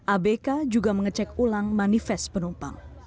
abk juga mengecek ulang manifest penumpang